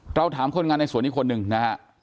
ถามคนงานในสวนอีกคนนึงนะฮะ